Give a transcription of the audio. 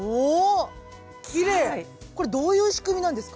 これどういう仕組みなんですか？